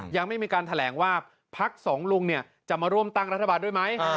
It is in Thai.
ยังไม่มีการแถลงว่าพักสองลุงจะมาร่วมตั้งรัฐบาลด้วยไหม